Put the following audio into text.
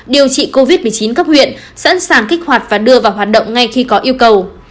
điều trị covid một mươi chín cấp huyện sẵn sàng kích hoạt và đưa vào hoạt động ngay khi có yêu cầu